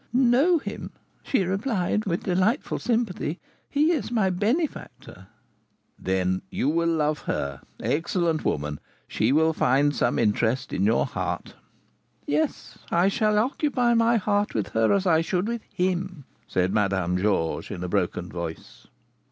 'Know him!' she replied, with delightful simplicity; 'he is my benefactor.'" "Then you will love her. Excellent woman! she will find some interest in your heart." "Yes, I shall occupy my heart with her as I should with him," said Madame Georges, in a broken voice.